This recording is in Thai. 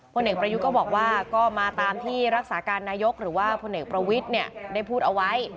เอกประยุทธ์ก็บอกว่าก็มาตามที่รักษาการนายกหรือว่าพลเอกประวิทย์ได้พูดเอาไว้